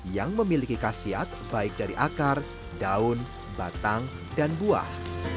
yang memiliki khasiat baik dari akar daun batang dan buah